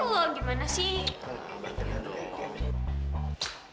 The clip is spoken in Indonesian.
loh gimana sih